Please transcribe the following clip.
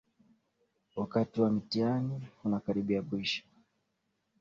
Wakati wa mtihani unakaribia kuisha